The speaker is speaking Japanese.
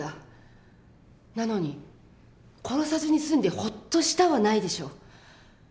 なのに「殺さずに済んでホッとした」はないでしょう。